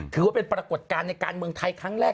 ถือว่าเป็นปรากฏการณ์ในการเมืองไทยครั้งแรก